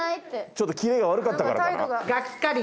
ちょっとキレが悪かったからかな？